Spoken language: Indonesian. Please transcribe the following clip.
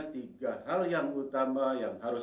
tiga hal yang utama yang harus